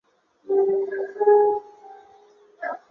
刘粲及后就派靳准杀死刘乂。